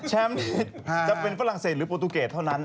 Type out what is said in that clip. จะเป็นฝรั่งเศสหรือโปรตูเกตเท่านั้น